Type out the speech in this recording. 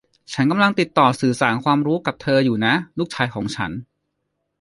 ฉันกำลังติดต่อสื่อสารความรู้กับเธออยู่นะ ลูกชายของฉัน